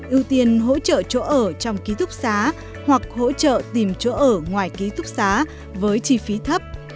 ưu tiên hỗ trợ chỗ ở trong ký thúc xá hoặc hỗ trợ tìm chỗ ở ngoài ký thúc xá với chi phí thấp